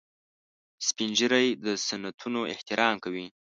سپین ږیری د سنتونو احترام کوي